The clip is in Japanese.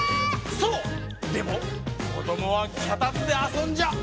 そうでもこどもはきゃたつであそんじゃ。